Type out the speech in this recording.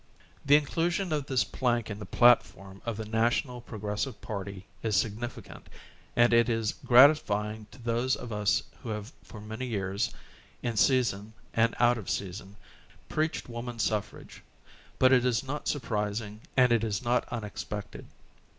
The inclusion of this plank in the platform of the National Progressive Party is significant, and it is grati fying to those of us who have for many years, in season and out of season, preached woman suffrage, but it is not surprising and it is not unexpected.